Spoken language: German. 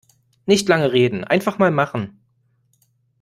Nicht lange reden, einfach mal machen!